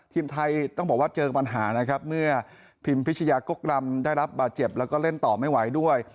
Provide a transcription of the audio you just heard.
ทีมไทยต้องบอกว่าเจอปัญหานะครับเมื่อพิมพิชยากกรำได้รับบาดเจ็บแล้วก็เล่นต่อไม่ไหวด้วย